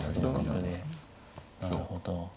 なるほど。